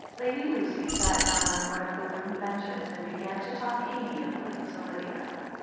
Lady Lucy sat down on one of the wooden benches, and began to talk amiably to Lydia.